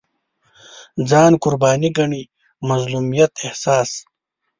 ځان قرباني ګڼي مظلومیت احساس